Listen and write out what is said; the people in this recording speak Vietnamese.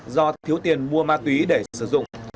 do thiếu tiền mua ma túy để sử dụng